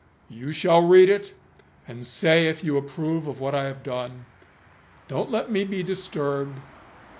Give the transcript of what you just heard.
You shall read it, and say if you approve of what I have done. Don't let me be disturbed.